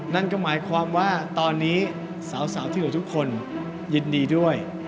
นั่นก็หมายความว่าตอนนี้สาวที่เหลือทุกคนยินดีด้วย